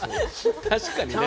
確かにね